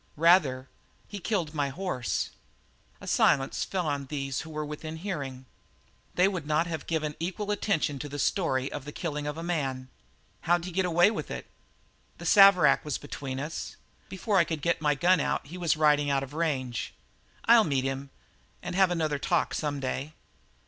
"Rather! He killed my horse." A silence fell on these who were within hearing. They would not have given equal attention to the story of the killing of a man. "How'd he get away with it?" "The Saverack was between us. Before I could get my gun out he was riding out of range. I'll meet him and have another talk some day."